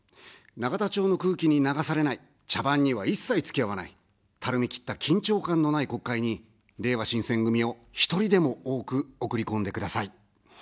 永田町の空気に流されない、茶番には一切つきあわない、たるみ切った緊張感のない国会に、れいわ新選組を１人でも多く送り込んでください。